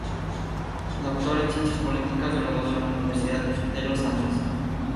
Doctor en Ciencias Políticas graduado en la Universidad de los Andes.